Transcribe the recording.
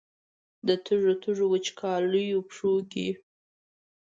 د تږو، تږو، وچکالیو پښو کې